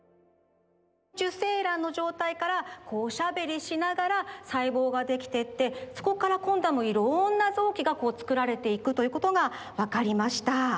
受精卵のじょうたいからおしゃべりしながらさいぼうができてってそこからこんどはいろんなぞうきがつくられていくということがわかりました。